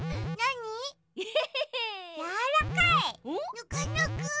ぬくぬく！